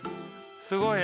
すごいね。